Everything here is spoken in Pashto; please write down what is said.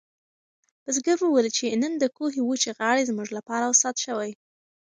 بزګر وویل چې نن د کوهي وچې غاړې زموږ لپاره استاد شوې.